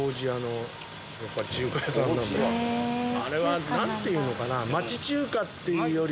あれはなんていうのかな？